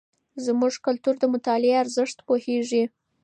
زموږ کلتور د مطالعې په ارزښت پوهیږي.